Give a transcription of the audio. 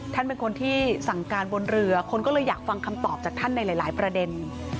ท่านเป็นคนที่สั่งการบนเรือคนก็เลยอยากฟังคำตอบจากท่านในหลายประเด็น